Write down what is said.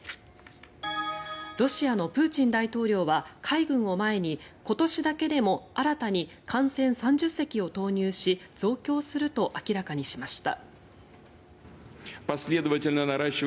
ロシアのプーチン大統領は海軍を前に今年だけでも新たに艦船３０隻を投入し増強すると明らかにしました。